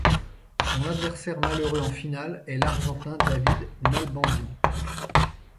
Son adversaire malheureux en finale est l'Argentin David Nalbandian.